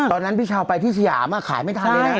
ตอนนั้นพี่ชาวไปที่สยามอะขายไม่ทันเลยนะ